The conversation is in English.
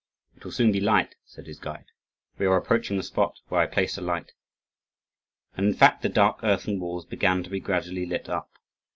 "It will soon be light," said his guide: "we are approaching the spot where I placed a light." And in fact the dark earthen walls began to be gradually lit up.